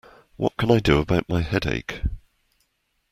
What can I do about my headache?